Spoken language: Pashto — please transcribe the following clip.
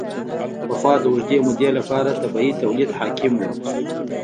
پخوا د اوږدې مودې لپاره طبیعي تولید حاکم و.